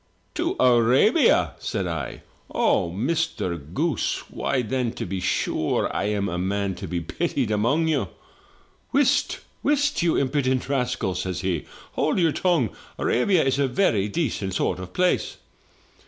'' 'To Arabia!' said I. 'Oh! Mr. Goose, why, then, to be sure, I'm a man to be pitied among you.' " 'Whist, whist, you impident rascal,' says he, 'hold your tongue. Arabia is a very decent sort of place.'